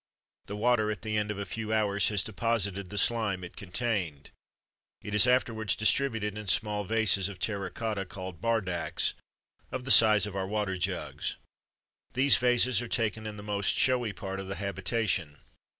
The water at the end of a few hours has deposited the slime it contained. It is afterwards distributed in small vases of terra cotta, called bardaks, of the size of our water jugs. These vases are taken in the most showy part of the habitation.